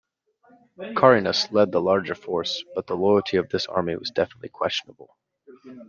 Carinus led the larger force, but the loyalty of this army was definitely questionable.